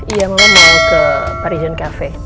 iya mama mau ke parisian cafe